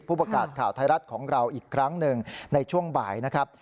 ผู้ประกาศข่าวไทยรัฐของเราอีกครั้งหนึ่งในช่วงบ่ายนะครับ